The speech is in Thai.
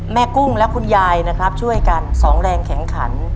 กุ้งและคุณยายนะครับช่วยกันสองแรงแข็งขัน